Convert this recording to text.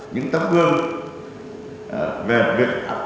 những tấm gương về việc